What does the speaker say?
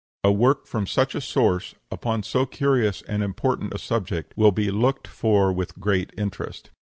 A work from such a source, upon so curious and important a subject, will be looked for with great interest.